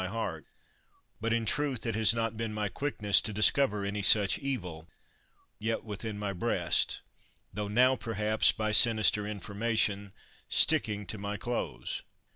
68 STRAFFORD my heart; but in truth it has not been my quickness to discover any such evil yet within my breast, tho now, perhaps, by sinister informa tion, sticking to my clothes.